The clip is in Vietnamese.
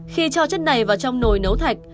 khi cho chất này vào trong nồi nấu thạch